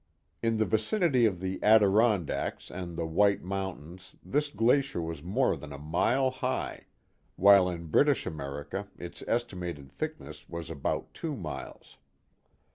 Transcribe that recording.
In the vicinity of the Adirondacks and the White Moun tains this glacier was more than a mile high, while in British America its estimated thickness was about two miles.